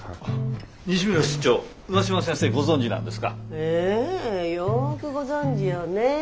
ええよくご存じよねえ。